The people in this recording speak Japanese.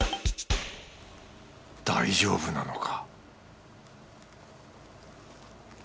大丈夫なのか？